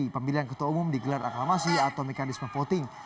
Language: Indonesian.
pemilihan ketua umum digelar aklamasi atau mekanisme voting